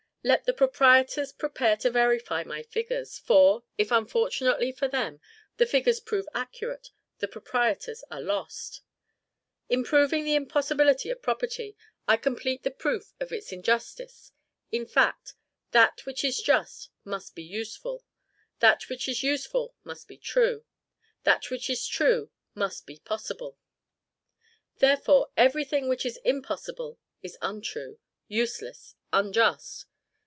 Let the proprietors prepare to verify my figures; for, if unfortunately for them the figures prove accurate, the proprietors are lost. In proving the impossibility of property, I complete the proof of its injustice. In fact, That which is JUST must be USEFUL; That which is useful must be TRUE; That which is true must be POSSIBLE; Therefore, every thing which is impossible is untrue, useless, unjust.